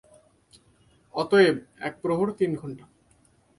অতএব এক প্রহর তিন ঘণ্টা।